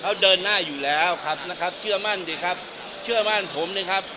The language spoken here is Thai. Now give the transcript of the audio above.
เขาเดินหน้าอยู่แล้วครับนะครับเชื่อมั่นสิครับเชื่อมั่นผมนะครับ